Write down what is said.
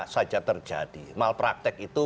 saja terjadi malpraktek itu